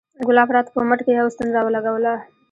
ګلاب راته په مټ کښې يوه ستن راولګوله.